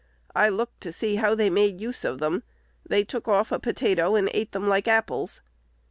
I looked to see how they made use of them. They took off a potato, and ate them like apples.)